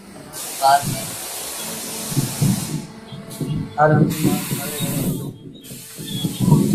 هر هنڌ مآل مري رهيو هُݩدو۔